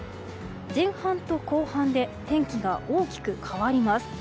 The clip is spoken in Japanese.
前半と後半で天気が大きく変わります。